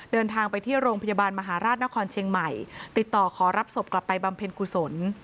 เดินทางไปที่โรงพยาบาลมหาราชนครเชียงใหม่ติดต่อขอรับศพกลับไปบำเพ็ญกุศล